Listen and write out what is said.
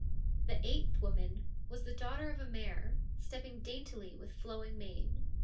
The eighth woman was the daughter of a mare, stepp ing daintily with flowing mane.